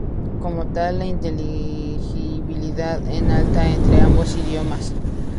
Como tal, la inteligibilidad es alta entre ambos idiomas.